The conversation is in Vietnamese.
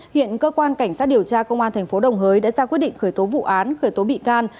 hiện cơ quan cảnh sát điều tra công an tp đồng hới đã ra quyết định khởi tố vụ án khởi tố bị can